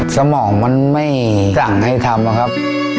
สมองมันไม่สั่งให้ทำอะครับ